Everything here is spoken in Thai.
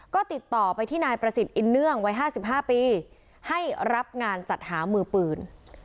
ก็ติดต่อไปที่นายประสิทธิ์อินเนื่องวัย๕๕ปีให้รับงานจัดหามือปืน